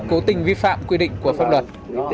cố tình vi phạm quy định của pháp luật